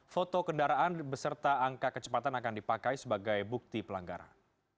foto kendaraan beserta angka kecepatan akan dipakai sebagai bukti pelanggaran